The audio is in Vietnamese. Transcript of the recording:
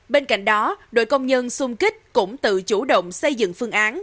bên cạnh đó đội công nhân xung kích cũng tự chủ động xây dựng phương án